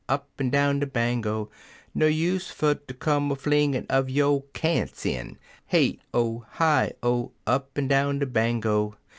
Up'n down de Bango!) No use fer ter come a flingin' uv yo' "cant's" in — (Hey O, Hi O! Up'n down de Bango!)